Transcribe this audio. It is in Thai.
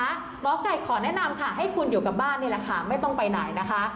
หมอไก่ขอแนะนำค่ะให้คุณอยู่กับบ้านนี่แหละค่ะไม่ต้องไปไหนนะคะ